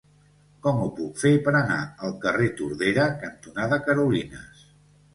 Com ho puc fer per anar al carrer Tordera cantonada Carolines?